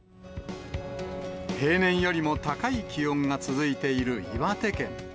平年よりも高い気温が続いている岩手県。